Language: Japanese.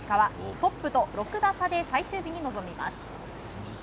トップと６打差で最終日に臨みます。